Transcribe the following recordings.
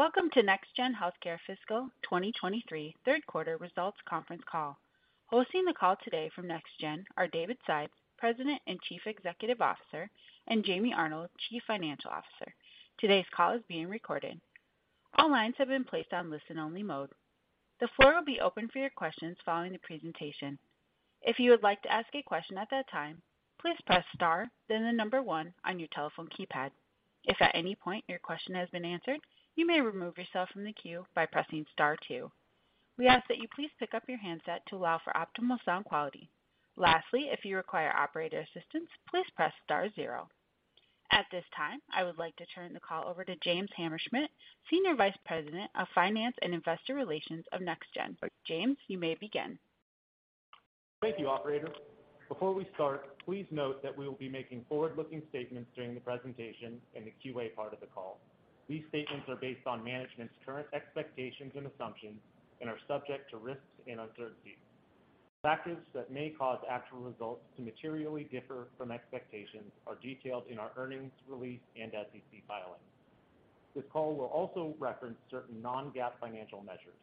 Welcome to NextGen Healthcare Fiscal 2023 Third Quarter Results Conference Call. Hosting the call today from NextGen are David Sides, President and Chief Executive Officer, and Jamie Arnold, Chief Financial Officer. Today's call is being recorded. All lines have been placed on listen-only mode. The floor will be open for your questions following the presentation. If you would like to ask a question at that time, please press Star, then the number 1 on your telephone keypad. If at any point your question has been answered, you may remove yourself from the queue by pressing Star 2. We ask that you please pick up your handset to allow for optimal sound quality. Lastly, if you require operator assistance, please press Star 0. At this time, I would like to turn the call over to James Hammerschmidt, Senior Vice President of Finance and Investor Relations of NextGen. James, you may begin. Thank you, operator. Before we start, please note that we will be making forward-looking statements during the presentation in the QA part of the call. These statements are based on management's current expectations and assumptions and are subject to risks and uncertainties. Factors that may cause actual results to materially differ from expectations are detailed in our earnings release and SEC filings. This call will also reference certain non-GAAP financial measures.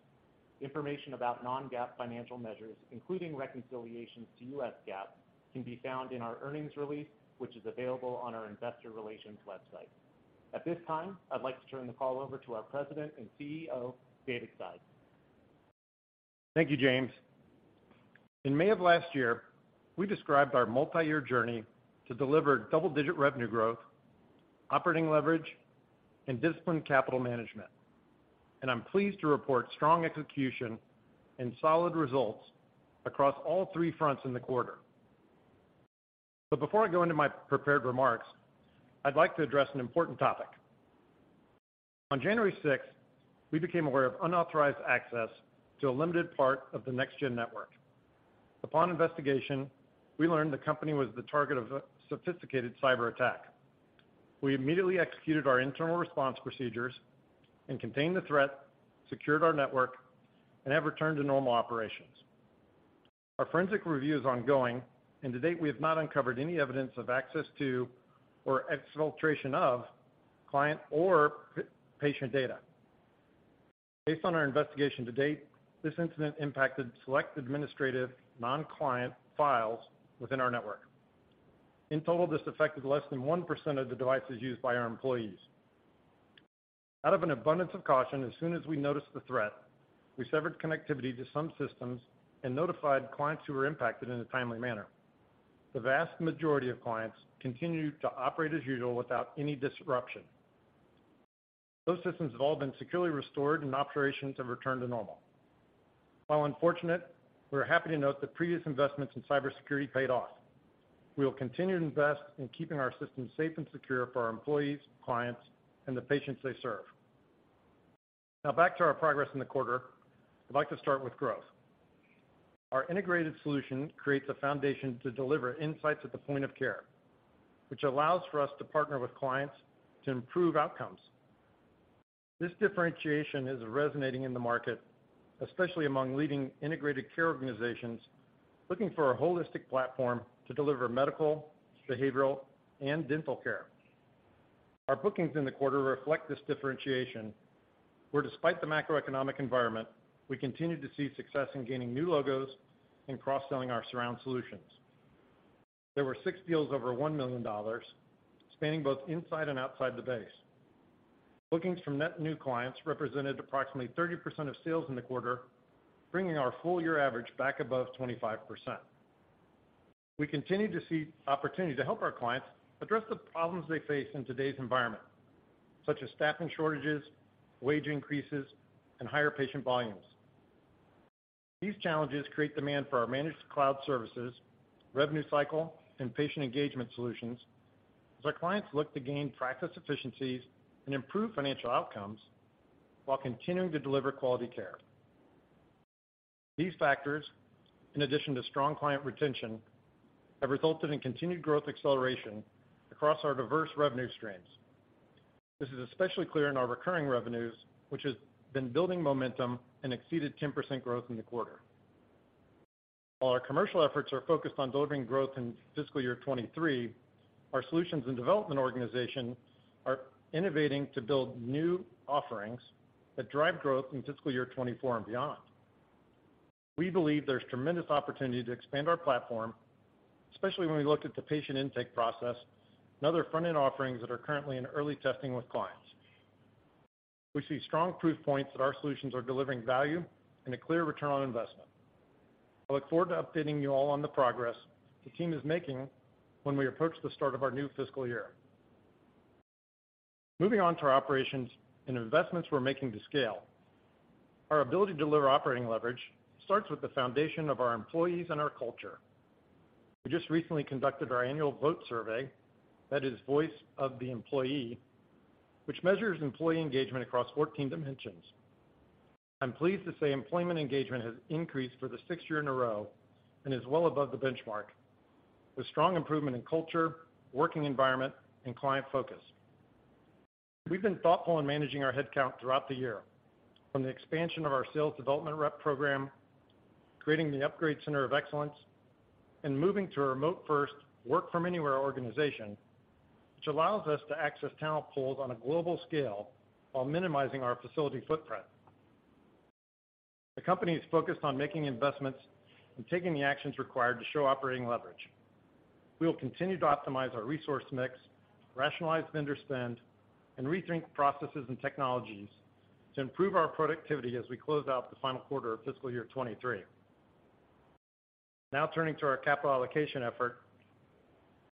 Information about non-GAAP financial measures, including reconciliations to U.S. GAAP, can be found in our earnings release, which is available on our investor relations website. At this time, I'd like to turn the call over to our President and CEO, David Sides. Thank you, James. In May of last year, we described our multi-year journey to deliver double-digit revenue growth, operating leverage, and disciplined capital management. I'm pleased to report strong execution and solid results across all three fronts in the quarter. Before I go into my prepared remarks, I'd like to address an important topic. On January 6th, we became aware of unauthorized access to a limited part of the NextGen network. Upon investigation, we learned the company was the target of a sophisticated cyber attack. We immediately executed our internal response procedures and contained the threat, secured our network, and have returned to normal operations. Our forensic review is ongoing, and to date, we have not uncovered any evidence of access to or exfiltration of client or patient data. Based on our investigation to date, this incident impacted select administrative non-client files within our network. In total, this affected less than 1% of the devices used by our employees. Out of an abundance of caution, as soon as we noticed the threat, we severed connectivity to some systems and notified clients who were impacted in a timely manner. The vast majority of clients continued to operate as usual without any disruption. Those systems have all been securely restored and operations have returned to normal. While unfortunate, we're happy to note that previous investments in cybersecurity paid off. We will continue to invest in keeping our systems safe and secure for our employees, clients, and the patients they serve. Back to our progress in the quarter. I'd like to start with growth. Our integrated solution creates a foundation to deliver insights at the point of care, which allows for us to partner with clients to improve outcomes. This differentiation is resonating in the market, especially among leading integrated care organizations looking for a holistic platform to deliver medical, behavioral, and dental care. Our bookings in the quarter reflect this differentiation, where despite the macroeconomic environment, we continue to see success in gaining new logos and cross-selling our surround solutions. There were six deals over $1 million, spanning both inside and outside the base. Bookings from net new clients represented approximately 30% of sales in the quarter, bringing our full year average back above 25%. We continue to see opportunity to help our clients address the problems they face in today's environment, such as staffing shortages, wage increases, and higher patient volumes. These challenges create demand for our managed cloud services, revenue cycle, and patient engagement solutions as our clients look to gain practice efficiencies and improve financial outcomes while continuing to deliver quality care. These factors, in addition to strong client retention, have resulted in continued growth acceleration across our diverse revenue streams. This is especially clear in our recurring revenues, which has been building momentum and exceeded 10% growth in the quarter. While our commercial efforts are focused on delivering growth in fiscal year 23, our solutions and development organization are innovating to build new offerings that drive growth in fiscal year 24 and beyond. We believe there's tremendous opportunity to expand our platform, especially when we look at the patient intake process and other front-end offerings that are currently in early testing with clients. We see strong proof points that our solutions are delivering value and a clear return on investment. I look forward to updating you all on the progress the team is making when we approach the start of our new fiscal year. Moving on to our operations and investments we're making to scale. Our ability to deliver operating leverage starts with the foundation of our employees and our culture. We just recently conducted our annual VOTE survey, that is Voice of the Employee, which measures employee engagement across 14 dimensions. I'm pleased to say employment engagement has increased for the 6th year in a row and is well above the benchmark, with strong improvement in culture, working environment, and client focus. We've been thoughtful in managing our headcount throughout the year. From the expansion of our sales development rep program, creating the Upgrade Center of Excellence, and moving to a remote-first work from anywhere organization, which allows us to access talent pools on a global scale while minimizing our facility footprint. The company is focused on making investments and taking the actions required to show operating leverage. We will continue to optimize our resource mix, rationalize vendor spend, and rethink processes and technologies to improve our productivity as we close out the final quarter of fiscal year '23. Turning to our capital allocation effort.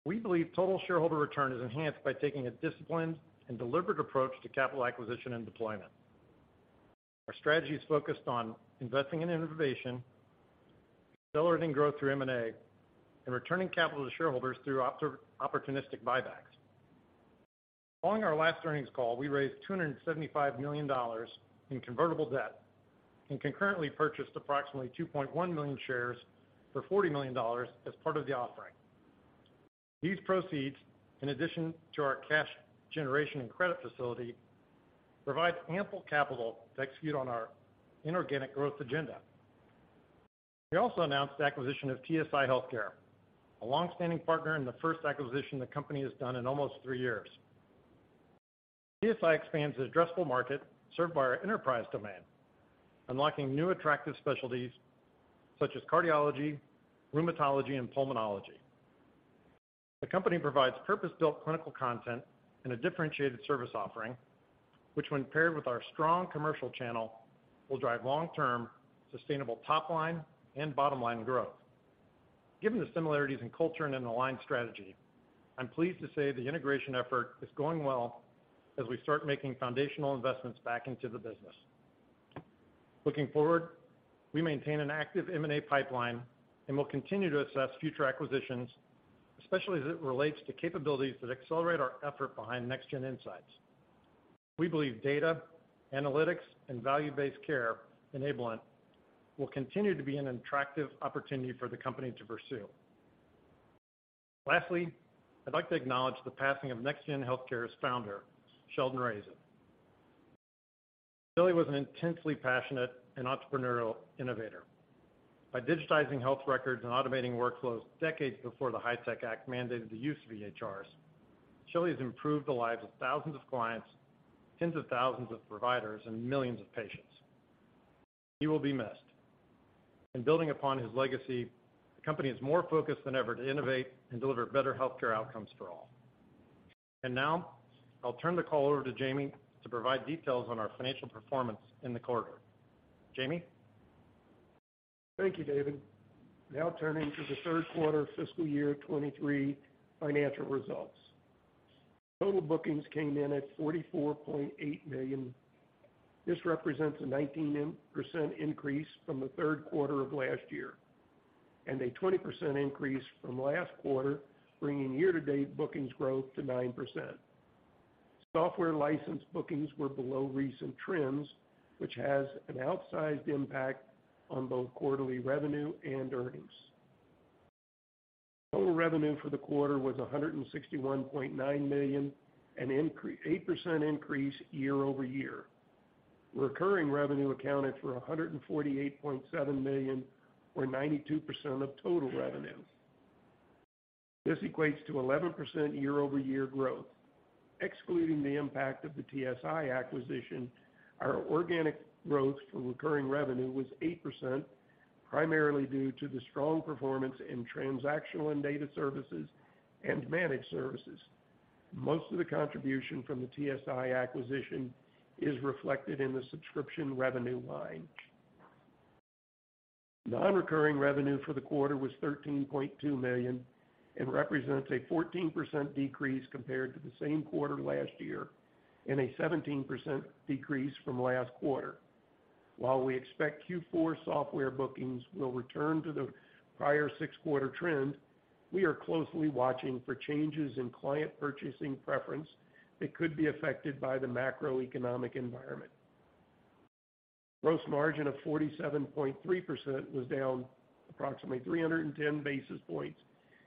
We believe total shareholder return is enhanced by taking a disciplined and deliberate approach to capital acquisition and deployment. Our strategy is focused on investing in innovation, accelerating growth through M&A, and returning capital to shareholders through opportunistic buybacks. Following our last earnings call, we raised $275 million in convertible debt and concurrently purchased approximately 2.1 million shares for $40 million as part of the offering. These proceeds, in addition to our cash generation and credit facility, provides ample capital to execute on our inorganic growth agenda. We also announced the acquisition of TSI Healthcare, a long-standing partner in the first acquisition the company has done in almost three years. TSI expands the addressable market served by our enterprise demand, unlocking new attractive specialties such as cardiology, rheumatology, and pulmonology. The company provides purpose-built clinical content in a differentiated service offering, which when paired with our strong commercial channel, will drive long-term sustainable top line and bottom line growth. Given the similarities in culture and in aligned strategy, I'm pleased to say the integration effort is going well as we start making foundational investments back into the business. Looking forward, we maintain an active M&A pipeline, and we'll continue to assess future acquisitions, especially as it relates to capabilities that accelerate our effort behind NextGen Insights. We believe data, analytics, and value-based care enablement will continue to be an attractive opportunity for the company to pursue. Lastly, I'd like to acknowledge the passing of NextGen Healthcare's founder, Sheldon Razin. Shelly was an intensely passionate and entrepreneurial innovator. By digitizing health records and automating workflows decades before the HITECH Act mandated the use of EHRs, Shelly's improved the lives of thousands of clients, tens of thousands of providers, and millions of patients. He will be missed. In building upon his legacy, the company is more focused than ever to innovate and deliver better healthcare outcomes for all. Now, I'll turn the call over to Jamie to provide details on our financial performance in the quarter. Jamie? Thank you, David. Turning to the third quarter of fiscal year 2023 financial results. Total bookings came in at $44.8 million. This represents a 19% increase from the third quarter of last year and a 20% increase from last quarter, bringing year-to-date bookings growth to 9%. Software license bookings were below recent trends, which has an outsized impact on both quarterly revenue and earnings. Total revenue for the quarter was $161.9 million, an 8% increase year-over-year. Recurring revenue accounted for $148.7 million or 92% of total revenue. This equates to 11% year-over-year growth. Excluding the impact of the TSI acquisition, our organic growth from recurring revenue was 8%, primarily due to the strong performance in transactional and data services and managed services. Most of the contribution from the TSI acquisition is reflected in the subscription revenue line. Non-recurring revenue for the quarter was $13.2 million and represents a 14% decrease compared to the same quarter last year and a 17% decrease from last quarter. While we expect Q4 software bookings will return to the prior six-quarter trend, we are closely watching for changes in client purchasing preference that could be affected by the macroeconomic environment. Gross margin of 47.3% was down approximately 310 basis points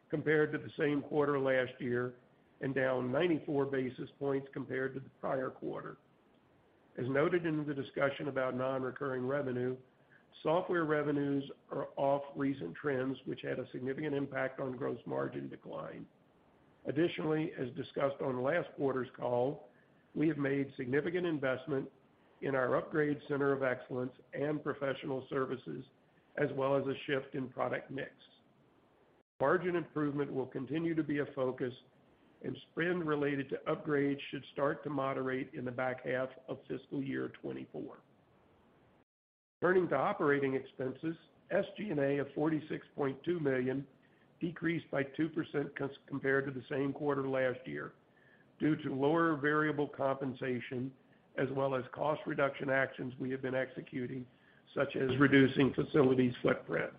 compared to the same quarter last year and down 94 basis points compared to the prior quarter. As noted in the discussion about non-recurring revenue, software revenues are off recent trends, which had a significant impact on gross margin decline. Additionally, as discussed on last quarter's call, we have made significant investment in our Upgrade Center of Excellence and professional services, as well as a shift in product mix. Margin improvement will continue to be a focus and spend related to upgrades should start to moderate in the back half of fiscal year 2024. Turning to operating expenses, SG&A of $46.2 million decreased by 2% compared to the same quarter last year due to lower variable compensation as well as cost reduction actions we have been executing, such as reducing facilities footprint.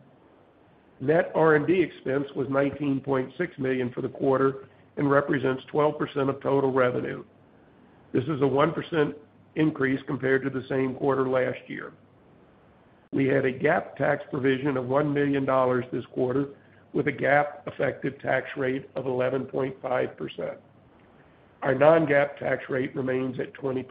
Net R&D expense was $19.6 million for the quarter and represents 12% of total revenue. This is a 1% increase compared to the same quarter last year. We had a GAAP tax provision of $1 million this quarter with a GAAP effective tax rate of 11.5%. Our non-GAAP tax rate remains at 20%.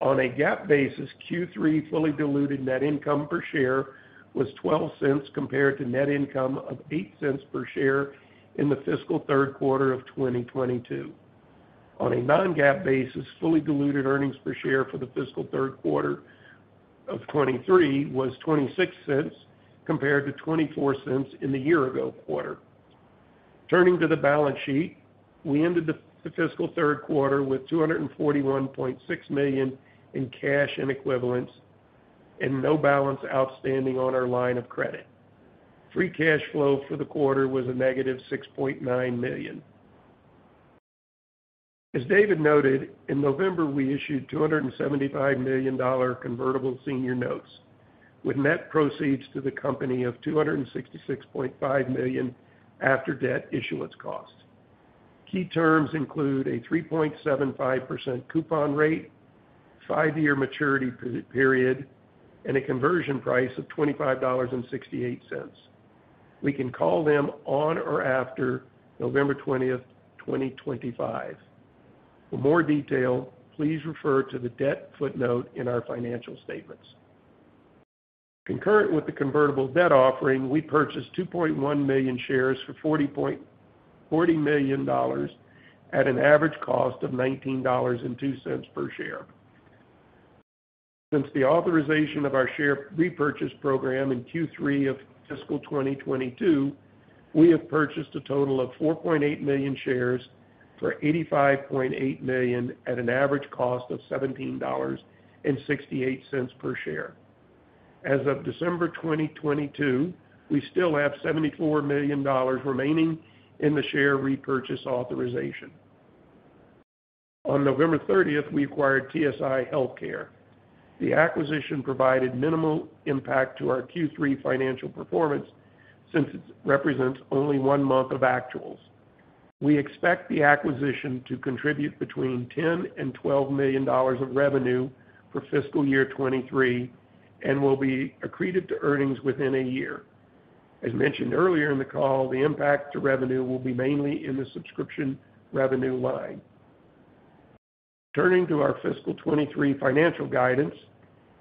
On a GAAP basis, Q3 fully diluted net income per share was $0.12 compared to net income of $0.08 per share in the fiscal third quarter of 2022. On a non-GAAP basis, fully diluted earnings per share for the fiscal third quarter of 2023 was $0.26 compared to $0.24 in the year ago quarter. Turning to the balance sheet, we ended the fiscal third quarter with $241.6 million in cash and equivalents and no balance outstanding on our line of credit. Free cash flow for the quarter was a negative $6.9 million. As David noted, in November, we issued $275 million convertible senior notes with net proceeds to the company of $266.5 million after debt issuance costs. Key terms include a 3.75% coupon rate, five-year maturity period, and a conversion price of $25.68. We can call them on or after November 20, 2025. For more detail, please refer to the debt footnote in our financial statements. Concurrent with the convertible debt offering, we purchased 2.1 million shares for $40 million at an average cost of $19.02 per share. Since the authorization of our share repurchase program in Q3 of fiscal 2022, we have purchased a total of 4.8 million shares for $85.8 million at an average cost of $17.68 per share. As of December 2022, we still have $74 million remaining in the share repurchase authorization. On November 30, we acquired TSI Healthcare. The acquisition provided minimal impact to our Q3 financial performance since it represents only one month of actuals. We expect the acquisition to contribute between $10 million and $12 million of revenue for fiscal year 2023 and will be accreted to earnings within a year. As mentioned earlier in the call, the impact to revenue will be mainly in the subscription revenue line. Turning to our fiscal 2023 financial guidance,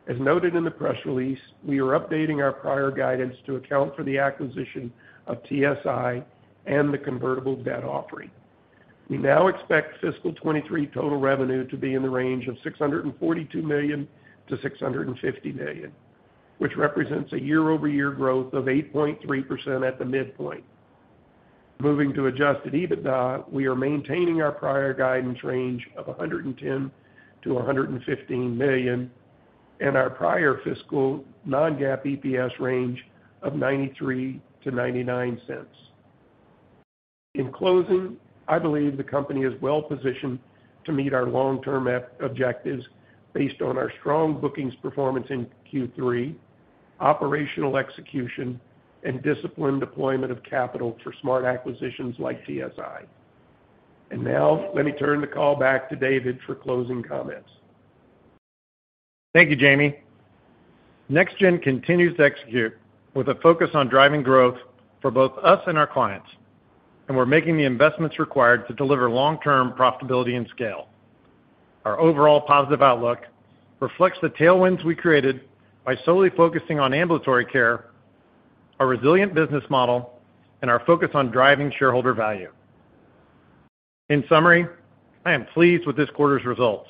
as noted in the press release, we are updating our prior guidance to account for the acquisition of TSI and the convertible debt offering. We now expect fiscal 2023 total revenue to be in the range of $642 million-$650 million, which represents a year-over-year growth of 8.3% at the midpoint. Moving to adjusted EBITDA, we are maintaining our prior guidance range of $110 million-$115 million and our prior fiscal non-GAAP EPS range of $0.93-$0.99. In closing, I believe the company is well-positioned to meet our long-term objectives based on our strong bookings performance in Q3, operational execution, and disciplined deployment of capital for smart acquisitions like TSI. Now let me turn the call back to David for closing comments. Thank you, Jamie. NextGen continues to execute with a focus on driving growth for both us and our clients, and we're making the investments required to deliver long-term profitability and scale. Our overall positive outlook reflects the tailwinds we created by solely focusing on ambulatory care, our resilient business model, and our focus on driving shareholder value. In summary, I am pleased with this quarter's results,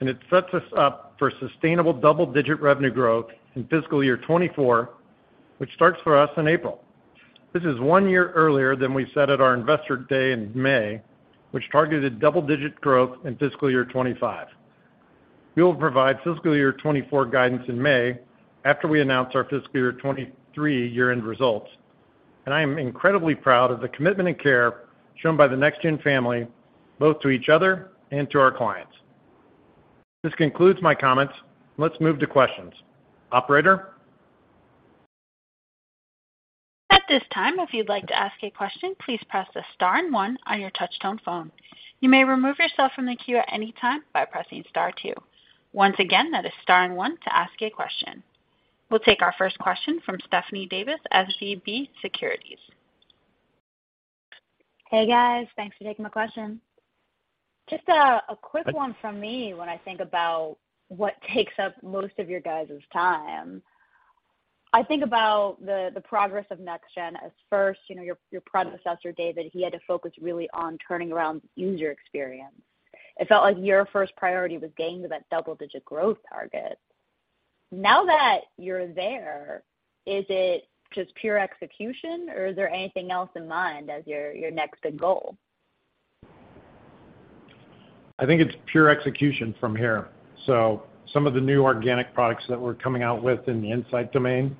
and it sets us up for sustainable double-digit revenue growth in fiscal year 2024, which starts for us in April. This is one year earlier than we said at our Investor Day in May, which targeted double-digit growth in fiscal year 2025. We will provide fiscal year 2024 guidance in May after we announce our fiscal year 2023 year-end results. I am incredibly proud of the commitment and care shown by the NextGen family, both to each other and to our clients. This concludes my comments. Let's move to questions. Operator? At this time, if you'd like to ask a question, please press the star and one on your touch-tone phone. You may remove yourself from the queue at any time by pressing star two. Once again, that is star and one to ask a question. We'll take our first question from Stephanie Davis, SVB Securities. Hey, guys. Thanks for taking my question. Just a quick one from me when I think about what takes up most of your guys' time. I think about the progress of NextGen as first, you know, your predecessor, David, he had to focus really on turning around user experience. It felt like your first priority was getting to that double-digit growth target. Now that you're there, is it just pure execution or is there anything else in mind as your next big goal? I think it's pure execution from here. Some of the new organic products that we're coming out with in the insight domain,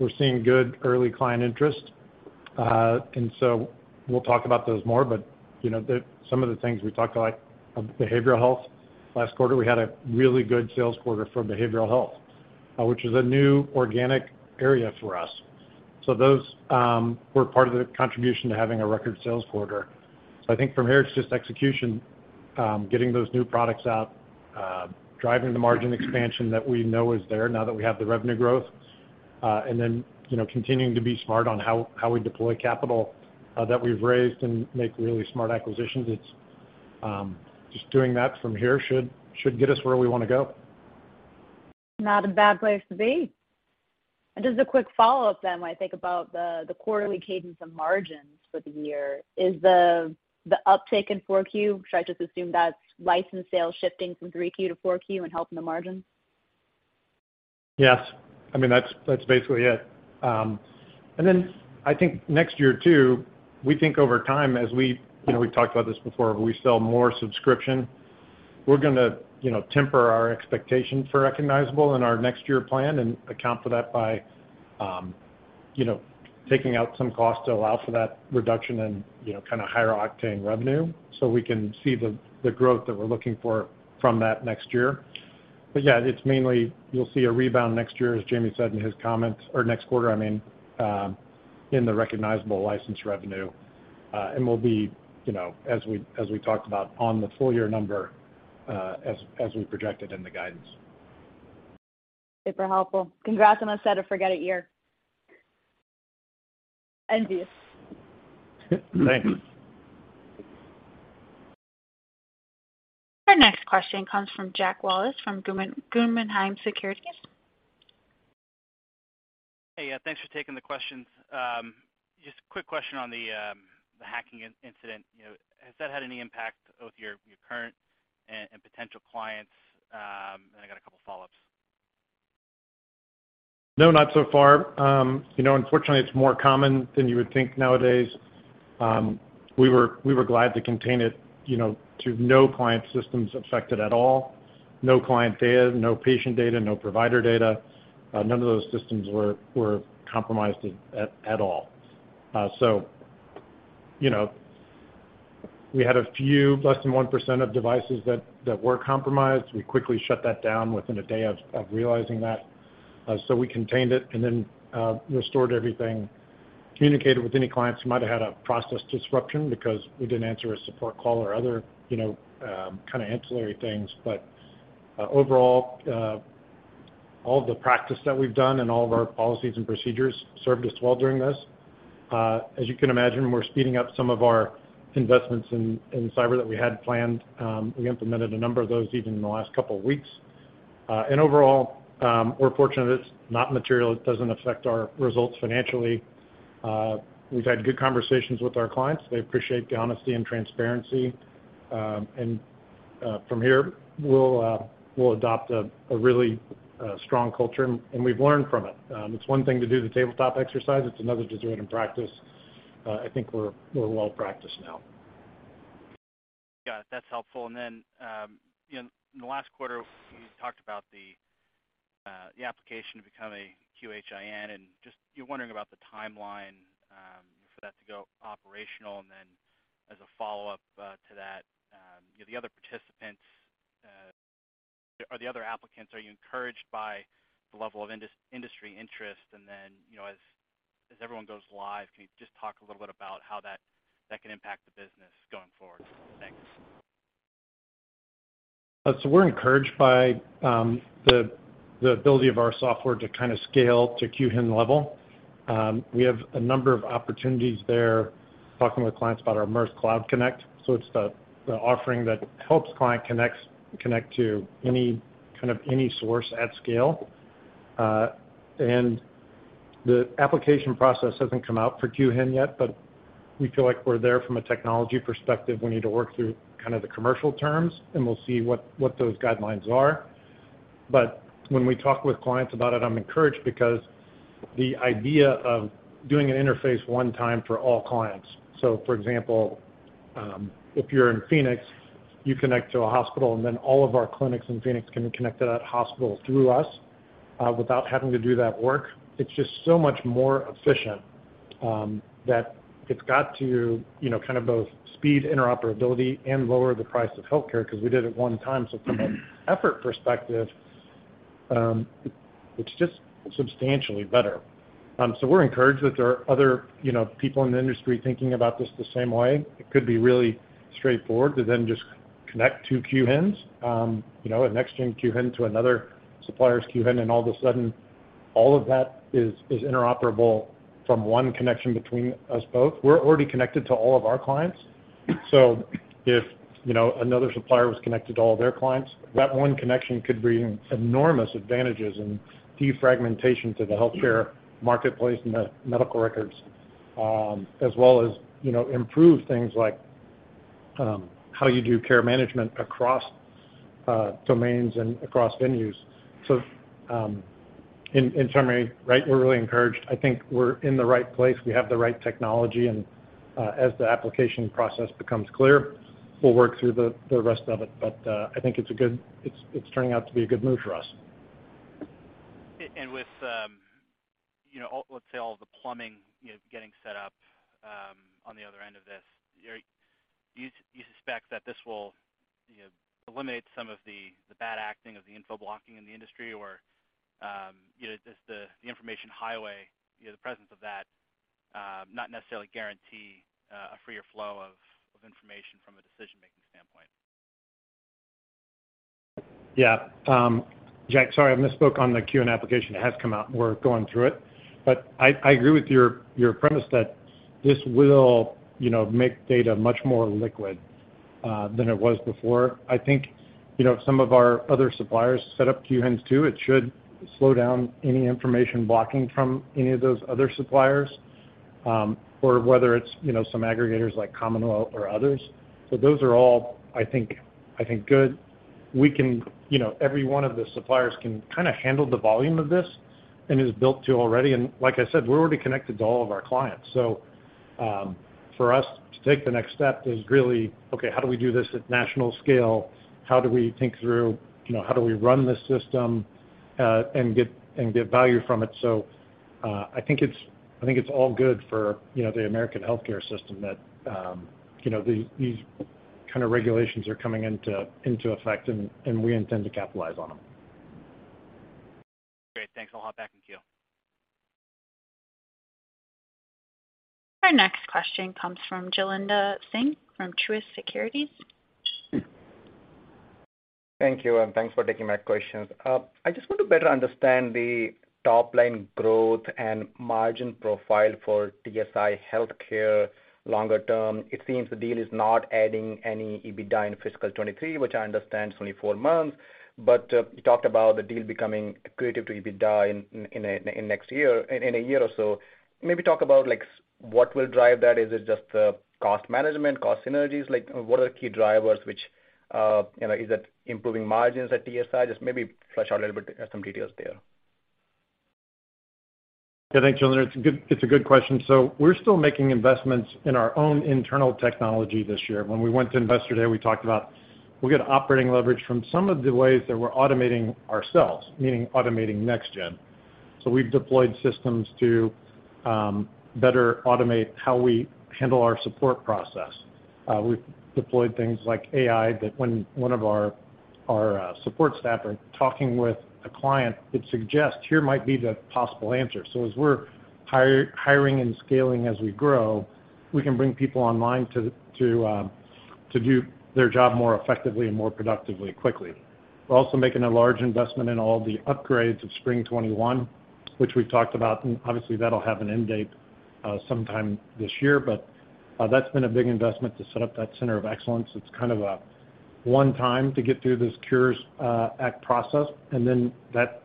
we're seeing good early client interest. We'll talk about those more, but you know, some of the things we talked about, behavioral health last quarter, we had a really good sales quarter for behavioral health. Which is a new organic area for us. Those were part of the contribution to having a record sales quarter. I think from here, it's just execution, getting those new products out, driving the margin expansion that we know is there now that we have the revenue growth, and then, you know, continuing to be smart on how we deploy capital that we've raised and make really smart acquisitions. It's, just doing that from here should get us where we wanna go. Not a bad place to be. Just a quick follow-up then. When I think about the quarterly cadence of margins for the year, is the uptake in 4Q, should I just assume that's license sales shifting from 3Q to 4Q and helping the margins? Yes. I mean, that's basically it. Then I think next year too, we think over time, as we, you know, we've talked about this before, but we sell more subscription. We're gonna, you know, temper our expectation for recognizable in our next year plan and account for that by, you know, taking out some cost to allow for that reduction in, you know, kinda higher octane revenue, so we can see the growth that we're looking for from that next year. Yeah, it's mainly you'll see a rebound next year, as Jamie said in his comments, or next quarter, I mean, in the recognizable license revenue. We'll be, you know, as we talked about on the full year number, as we projected in the guidance. Super helpful. Congrats on a set of forget it year. Envious. Thanks. Our next question comes from Jack Wallace from Guggenheim Securities. Hey. Yeah, thanks for taking the questions. Just quick question on the hacking incident. You know, has that had any impact with your current and potential clients? I got a couple follow-ups. No, not so far. You know, unfortunately, it's more common than you would think nowadays. We were glad to contain it, you know, to no client systems affected at all. No client data, no patient data, no provider data, none of those systems were compromised at all. You know, we had a few less than 1% of devices that were compromised. We quickly shut that down within a day of realizing that. We contained it and then restored everything, communicated with any clients who might have had a process disruption because we didn't answer a support call or other, you know, kinda ancillary things. Overall, all of the practice that we've done and all of our policies and procedures served us well during this. As you can imagine, we're speeding up some of our investments in cyber that we had planned. We implemented a number of those even in the last couple weeks. Overall, we're fortunate it's not material. It doesn't affect our results financially. We've had good conversations with our clients. They appreciate the honesty and transparency. From here, we'll adopt a really strong culture, and we've learned from it. It's one thing to do the tabletop exercise, it's another to do it in practice. I think we're well-practiced now. Got it. That's helpful. In the last quarter, you talked about the application to become a QHIN, and just you're wondering about the timeline for that to go operational. As a follow-up to that, you know, the other participants, or the other applicants, are you encouraged by the level of industry interest? You know, as everyone goes live, can you just talk a little bit about how that can impact the business going forward? Thanks. We're encouraged by the ability of our software to kind of scale to QHIN level. We have a number of opportunities there talking with clients about our Mirth Cloud Connect. It's the offering that helps client connects, connect to any, kind of any source at scale. The application process hasn't come out for QHIN yet, but we feel like we're there from a technology perspective. We need to work through kind of the commercial terms, and we'll see what those guidelines are. When we talk with clients about it, I'm encouraged because the idea of doing an interface one time for all clients. For example, if you're in Phoenix, you connect to a hospital, and then all of our clinics in Phoenix can connect to that hospital through us, without having to do that work. It's just so much more efficient, that it's got to, you know, kind of both speed interoperability and lower the price of healthcare 'cause we did it one time. From an effort perspective, it's just substantially better. We're encouraged that there are other, you know, people in the industry thinking about this the same way. It could be really straightforward to then just connect to QHINs. You know, a NextGen QHIN to another supplier's QHIN, and all of a sudden all of that is interoperable from one connection between us both. We're already connected to all of our clients. If, you know, another supplier was connected to all of their clients, that one connection could bring enormous advantages and defragmentation to the healthcare marketplace and the medical records, as well as, you know, improve things like, how you do care management across domains and across venues. In summary, right? We're really encouraged. I think we're in the right place. We have the right technology, as the application process becomes clear, we'll work through the rest of it. I think it's turning out to be a good move for us. With, you know, all, let's say all the plumbing, you know, getting set up, on the other end of this. Do you suspect that this will, you know, eliminate some of the bad acting of the info blocking in the industry? You know, does the information highway, you know, the presence of that, not necessarily guarantee, a freer flow of information from a decision-making standpoint? Jack, sorry, I misspoke on the QHIN application. It has come out, and we're going through it. I agree with your premise that this will, you know, make data much more liquid than it was before. I think, you know, if some of our other suppliers set up QHINs too, it should slow down any information blocking from any of those other suppliers, or whether it's, you know, some aggregators like CommonWell or others. Those are all, I think, good. We can, you know, every one of the suppliers can kinda handle the volume of this and is built to already. Like I said, we're already connected to all of our clients. For us to take the next step is really, okay, how do we do this at national scale? How do we think through, you know, how do we run this system, and get value from it? I think it's all good for, you know, the American healthcare system that, you know, these kinda regulations are coming into effect, and we intend to capitalize on them. Great. Thanks. I'll hop back in queue. Our next question comes from Jailendra Singh from Truist Securities. Thank you. Thanks for taking my questions. I just want to better understand the top-line growth and margin profile for TSI Healthcare longer term. It seems the deal is not adding any EBITDA in fiscal 2023, which I understand is only four months. You talked about the deal becoming accretive to EBITDA in next year, in a year or so. Maybe talk about, like, what will drive that. Is it just cost management, cost synergies? Like, what are the key drivers which, you know. Is it improving margins at TSI? Just maybe flesh out a little bit some details there. Thanks, Jailendra. It's a good question. We're still making investments in our own internal technology this year. When we went to Investor Day, we talked about we'll get operating leverage from some of the ways that we're automating ourselves, meaning automating NextGen. We've deployed systems to better automate how we handle our support process. We've deployed things like AI that when one of our support staff are talking with a client, it suggests, "Here might be the possible answer." As we're hiring and scaling as we grow, we can bring people online to do their job more effectively and more productively quickly. We're also making a large investment in all the upgrades of Spring '21, which we've talked about, and obviously that'll have an end date sometime this year. That's been a big investment to set up that Center of Excellence. It's kind of a one time to get through this Cures Act process, then that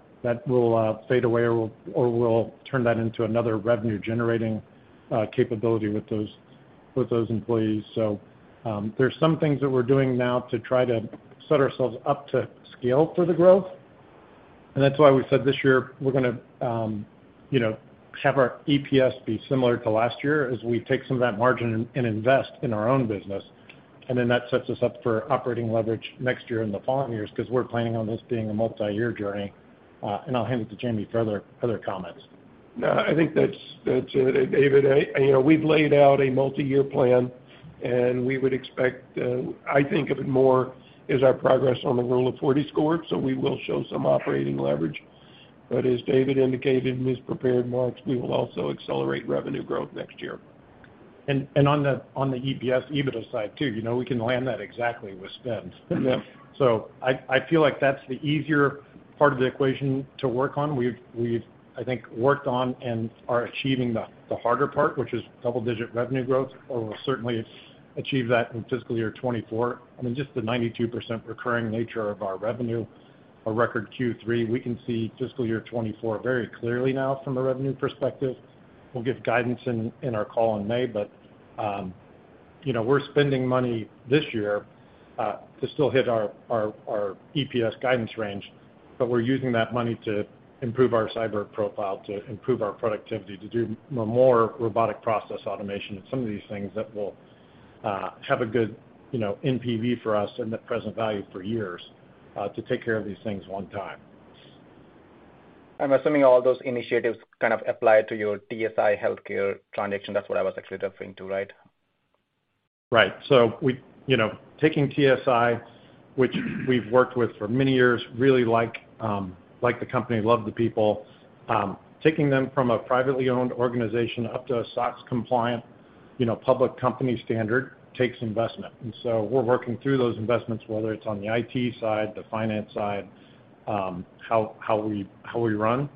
will fade away or we'll turn that into another revenue-generating capability with those employees. There's some things that we're doing now to try to set ourselves up to scale for the growth. That's why we said this year we're gonna, you know, have our EPS be similar to last year as we take some of that margin and invest in our own business. Then that sets us up for operating leverage next year and the following years 'cause we're planning on this being a multi-year journey. I'll hand it to Jamie for other comments. No, I think that's it, David. you know, we've laid out a multi-year plan. We would expect, I think of it more as our progress on the Rule of 40 score. We will show some operating leverage. As David indicated in his prepared remarks, we will also accelerate revenue growth next year. On the EPS EBITDA side too, you know, we can land that exactly with spends. Mm-hmm. I feel like that's the easier part of the equation to work on. We've, I think, worked on and are achieving the harder part, which is double-digit revenue growth, or we'll certainly achieve that in fiscal year 2024. I mean, just the 92% recurring nature of our revenue, a record Q3, we can see fiscal year 2024 very clearly now from a revenue perspective. We'll give guidance in our call in May, but, you know, we're spending money this year to still hit our EPS guidance range, but we're using that money to improve our cyber profile, to improve our productivity, to do more Robotic Process Automation and some of these things that will have a good, you know, NPV for us and the present value for years to take care of these things one time. I'm assuming all those initiatives kind of apply to your TSI Healthcare transaction. That's what I was actually referring to, right? You know, taking TSI, which we've worked with for many years, really like the company, love the people. Taking them from a privately owned organization up to a SOX compliant, you know, public company standard takes investment. We're working through those investments, whether it's on the IT side, the finance side, how we run.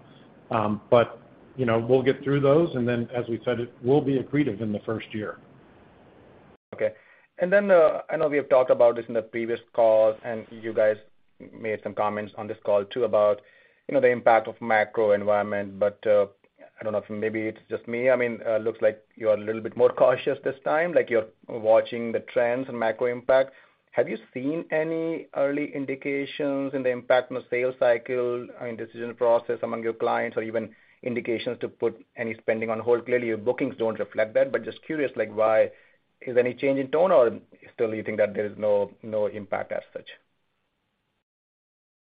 You know, we'll get through those, and then as we said, it will be accretive in the first year. Okay. I know we have talked about this in the previous calls, and you guys made some comments on this call too about, you know, the impact of macro environment. I don't know if maybe it's just me, I mean, looks like you are a little bit more cautious this time, like you're watching the trends and macro impact. Have you seen any early indications in the impact on the sales cycle, I mean, decision process among your clients or even indications to put any spending on hold? Clearly, your bookings don't reflect that, but just curious, like, why? Is there any change in tone, or still you think that there is no impact as such?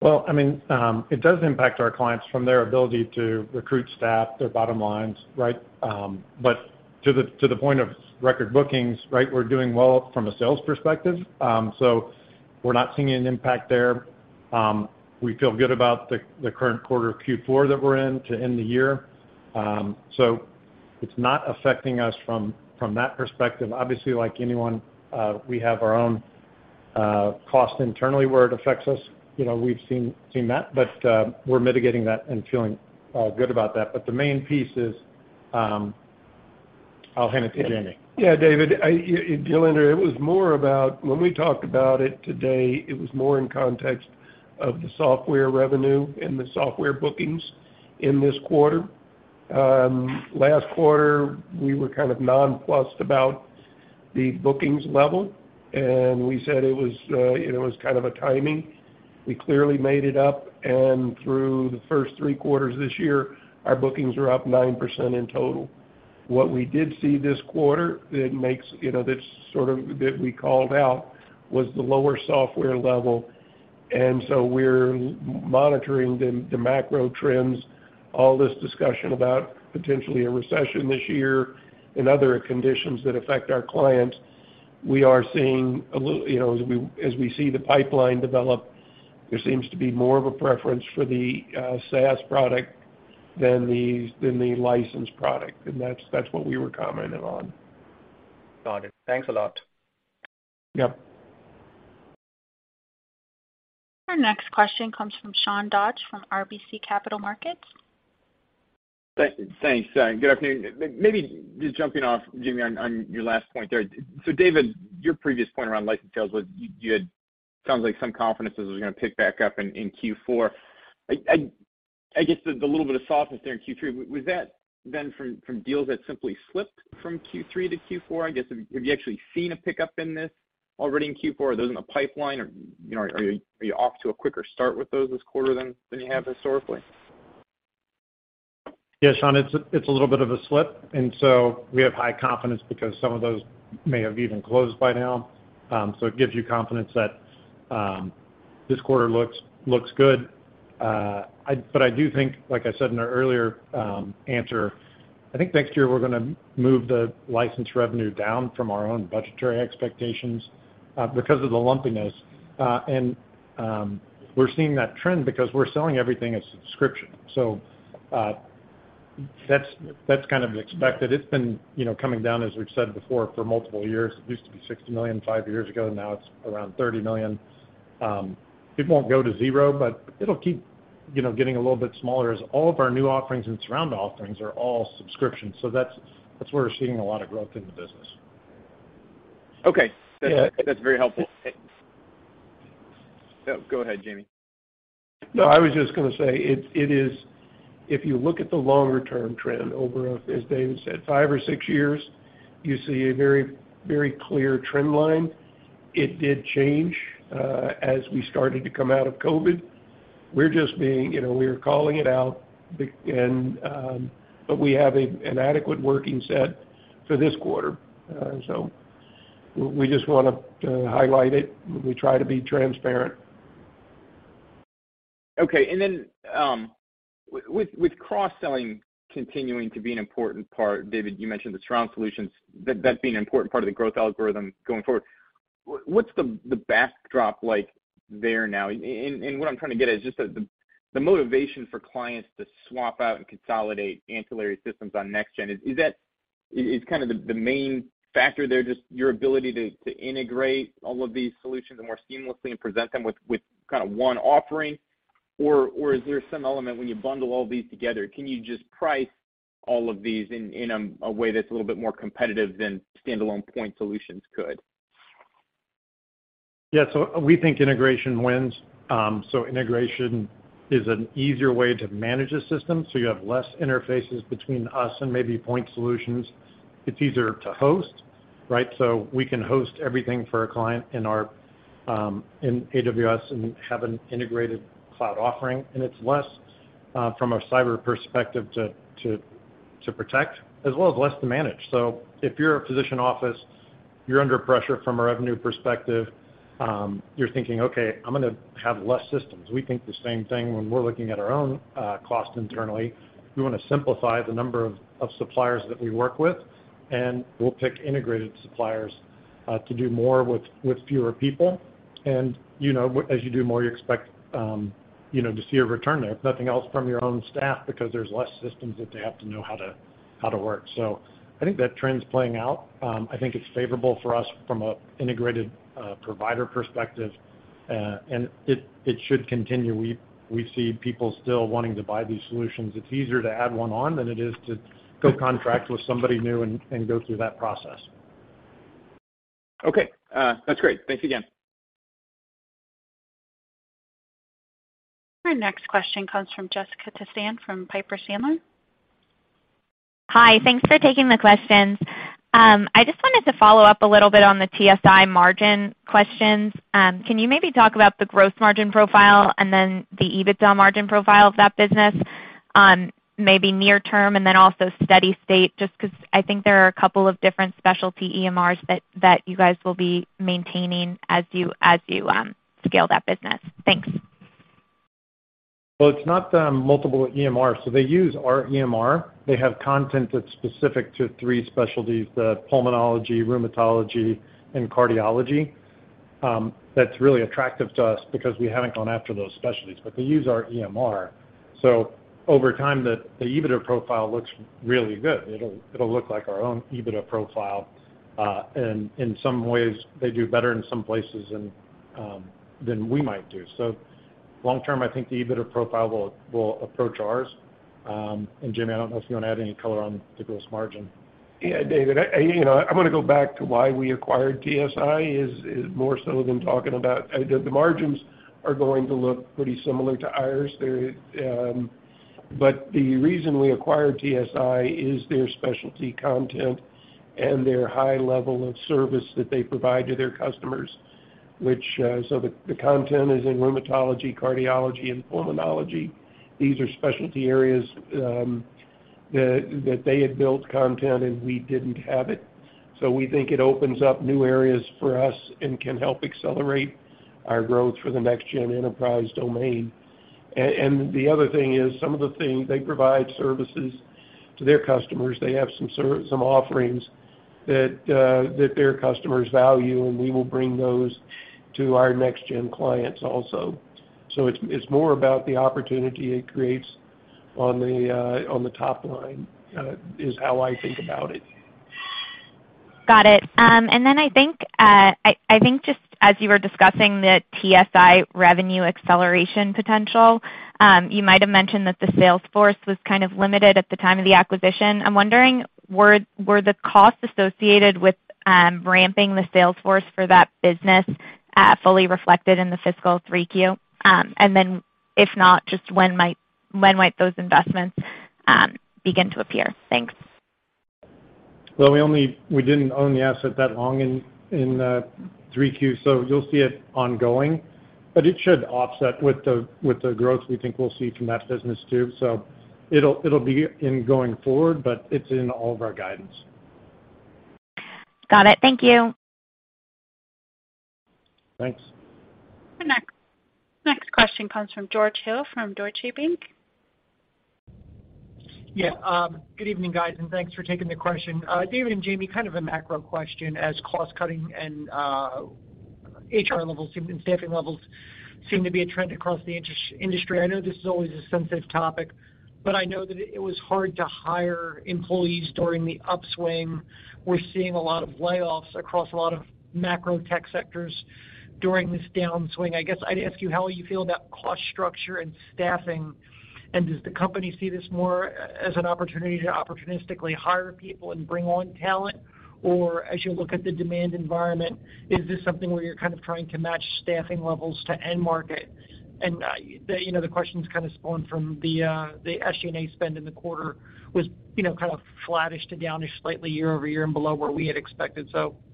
Well, I mean, it does impact our clients from their ability to recruit staff, their bottom lines, right? To the point of record bookings, right, we're doing well from a sales perspective. We're not seeing an impact there. We feel good about the current quarter, Q4 that we're in to end the year. It's not affecting us from that perspective. Obviously, like anyone, we have our own cost internally where it affects us. You know, we've seen that, but we're mitigating that and feeling good about that. The main piece is... I'll hand it to Jamie. Yeah, David, Jailendra, it was more about when we talked about it today, it was more in context of the software revenue and the software bookings in this quarter. Last quarter, we were kind of nonplussed about the bookings level, and we said it was, you know, it was kind of a timing. We clearly made it up, and through the first three quarters of this year, our bookings are up 9% in total. What we did see this quarter that makes, you know, that we called out was the lower software level. We're monitoring the macro trends, all this discussion about potentially a recession this year and other conditions that affect our clients. We are seeing you know, as we see the pipeline develop, there seems to be more of a preference for the SaaS product than the licensed product. That's what we were commenting on. Got it. Thanks a lot. Yep. Our next question comes from Sean Dodge from RBC Capital Markets. Thanks. Good afternoon. Maybe just jumping off, Jamie, on your last point there. David, your previous point around license sales was you had sounds like some confidence this was gonna pick back up in Q4. I guess the little bit of softness there in Q3, was that then from deals that simply slipped from Q3 to Q4, I guess? Have you actually seen a pickup in this already in Q4? Are those in the pipeline or, you know, are you off to a quicker start with those this quarter than you have historically? Sean, it's a little bit of a slip. We have high confidence because some of those may have even closed by now. It gives you confidence that this quarter looks good. I do think, like I said in our earlier answer, I think next year we're gonna move the license revenue down from our own budgetary expectations because of the lumpiness. We're seeing that trend because we're selling everything as subscription. That's kind of expected. It's been, you know, coming down, as we've said before, for multiple years. It used to be $60 million five years ago, now it's around $30 million. It won't go to zero, but it'll keep, you know, getting a little bit smaller as all of our new offerings and surround offerings are all subscriptions. That's where we're seeing a lot of growth in the business. Okay. Yeah. That's very helpful. Go ahead, Jamie. I was just gonna say it is if you look at the longer term trend over, as David said, five or six years, you see a very, very clear trend line. It did change as we started to come out of COVID. We're just being, you know, we're calling it out. We have an adequate working set for this quarter. We just wanna highlight it. We try to be transparent. Okay. Then, with cross-selling continuing to be an important part, David, you mentioned the surround solutions, that being an important part of the growth algorithm going forward. What's the backdrop like there now? What I'm trying to get at is just the motivation for clients to swap out and consolidate ancillary systems on NextGen. Is that kind of the main factor there just your ability to integrate all of these solutions more seamlessly and present them with kinda one offering? Or is there some element when you bundle all these together, can you just price all of these in a way that's a little bit more competitive than standalone point solutions could? Yeah. We think integration wins. Integration is an easier way to manage a system, so you have less interfaces between us and maybe point solutions. It's easier to host, right? We can host everything for a client in our in AWS and have an integrated cloud offering. It's less from a cyber perspective to protect as well as less to manage. If you're a physician office, you're under pressure from a revenue perspective, you're thinking, "Okay, I'm gonna have less systems." We think the same thing when we're looking at our own cost internally. We wanna simplify the number of suppliers that we work with, and we'll pick integrated suppliers to do more with fewer people. You know, as you do more, you expect, you know, to see a return there. If nothing else, from your own staff because there's less systems that they have to know how to, how to work. I think that trend's playing out. I think it's favorable for us from a integrated provider perspective. It should continue. We see people still wanting to buy these solutions. It's easier to add one on than it is to go contract with somebody new and go through that process. Okay. That's great. Thanks again. Our next question comes from Jessica Tassan from Piper Sandler. Hi. Thanks for taking the questions. I just wanted to follow up a little bit on the TSI margin questions. Can you maybe talk about the growth margin profile and then the EBITDA margin profile of that business? Maybe near term and then also steady state, just 'cause I think there are a couple of different specialty EMRs that you guys will be maintaining as you scale that business. Thanks. Well, it's not the multiple EMR. They use our EMR. They have content that's specific to three specialties, the pulmonology, rheumatology, and cardiology. That's really attractive to us because we haven't gone after those specialties. They use our EMR. Over time, the EBITDA profile looks really good. It'll look like our own EBITDA profile. In some ways they do better in some places than we might do. Long term, I think the EBITDA profile will approach ours. Jamie, I don't know if you wanna add any color on to gross margin. Yeah, David, I, you know, I'm gonna go back to why we acquired TSI is more so than talking about. The margins are going to look pretty similar to ours. They're. The reason we acquired TSI is their specialty content and their high level of service that they provide to their customers, which, the content is in rheumatology, cardiology, and pulmonology. These are specialty areas that they had built content and we didn't have it. We think it opens up new areas for us and can help accelerate our growth for the NextGen Enterprise domain. The other thing is some of the things, they provide services to their customers. They have some offerings that their customers value, and we will bring those to our NextGen clients also. It's more about the opportunity it creates on the top line, is how I think about it. Got it. I think just as you were discussing the TSI revenue acceleration potential, you might have mentioned that the sales force was kind of limited at the time of the acquisition. I'm wondering, were the costs associated with ramping the sales force for that business, fully reflected in the fiscal 3Q? If not, just when might those investments begin to appear? Thanks. Well, we didn't own the asset that long in 3Q, so you'll see it ongoing. It should offset with the growth we think we'll see from that business too. It'll be in going forward, but it's in all of our guidance. Got it. Thank you. Thanks. The next question comes from George Hill from Deutsche Bank. Yeah. Good evening, guys. Thanks for taking the question. David and Jamie, kind of a macro question. As cost cutting, HR levels, and staffing levels seem to be a trend across the industry, I know this is always a sensitive topic, but I know that it was hard to hire employees during the upswing. We're seeing a lot of layoffs across a lot of macro tech sectors during this downswing. I guess I'd ask you how you feel about cost structure and staffing. Does the company see this more as an opportunity to opportunistically hire people and bring on talent, or as you look at the demand environment, is this something where you're kind of trying to match staffing levels to end market? you know, the questions kind of spawned from the SG&A spend in the quarter was, you know, kind of flattish to down-ish slightly year-over-year and below where we had expected.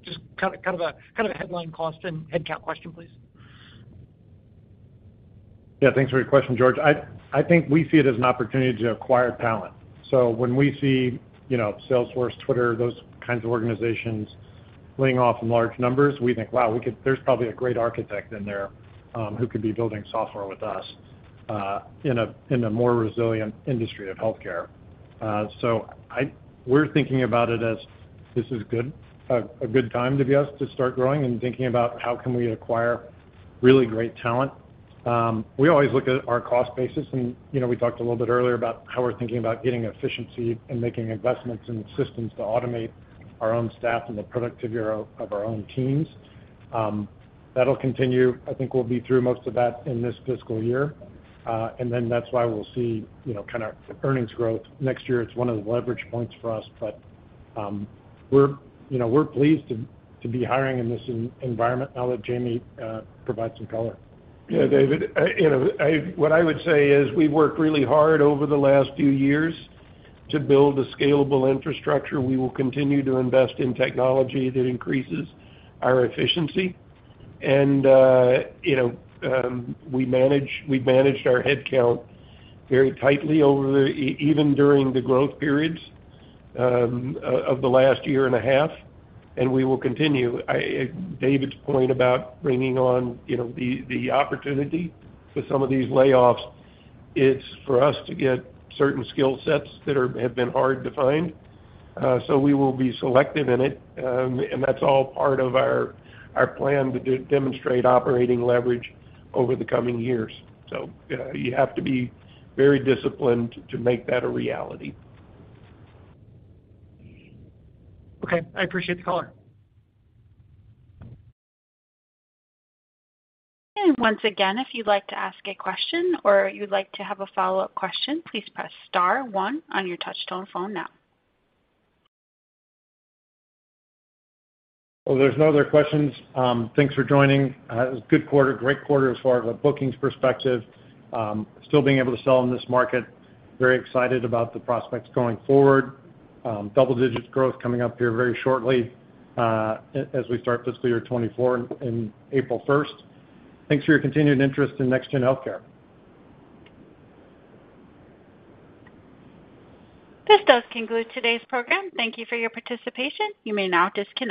Just kind of a, kind of a headline cost and headcount question, please? Thanks for your question, George. I think we see it as an opportunity to acquire talent. When we see, you know, Salesforce, Twitter, those kinds of organizations laying off large numbers, we think, "Wow, there's probably a great architect in there who could be building software with us in a more resilient industry of healthcare." We're thinking about it as this is good, a good time to be us to start growing and thinking about how can we acquire really great talent. We always look at our cost basis, and, you know, we talked a little bit earlier about how we're thinking about getting efficiency and making investments in systems to automate our own staff and the productivity of our own teams. That'll continue. I think we'll be through most of that in this fiscal year. That's why we'll see, you know, kinda earnings growth next year. It's one of the leverage points for us. We're, you know, we're pleased to be hiring in this environment. Now let Jamie provide some color. Yeah, David. You know, what I would say is we worked really hard over the last few years to build a scalable infrastructure. We will continue to invest in technology that increases our efficiency. You know, we've managed our headcount very tightly over even during the growth periods of the last year and a half, and we will continue. David's point about bringing on, you know, the opportunity with some of these layoffs, it's for us to get certain skill sets that are, have been hard to find. We will be selective in it. That's all part of our plan to demonstrate operating leverage over the coming years. You have to be very disciplined to make that a reality. Okay. I appreciate the color. Once again, if you'd like to ask a question or you'd like to have a follow-up question, please press star one on your touchtone phone now. Well, there's no other questions. Thanks for joining. It was a good quarter, great quarter as far as a bookings perspective. Still being able to sell in this market. Very excited about the prospects going forward. Double-digit growth coming up here very shortly, as we start fiscal year 2024 in April 1st. Thanks for your continued interest in NextGen Healthcare. This does conclude today's program. Thank you for your participation. You may now disconnect.